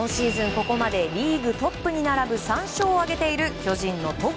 ここまでリーグトップに並ぶ３勝を挙げている巨人の戸郷